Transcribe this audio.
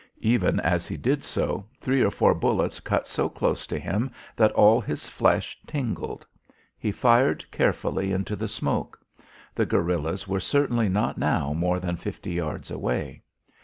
Even as he did so, three or four bullets cut so close to him that all his flesh tingled. He fired carefully into the smoke. The guerillas were certainly not now more than fifty yards away.